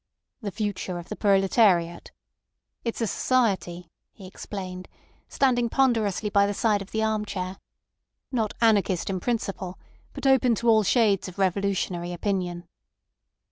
"The Future of the Proletariat. It's a society," he explained, standing ponderously by the side of the arm chair, "not anarchist in principle, but open to all shades of revolutionary opinion."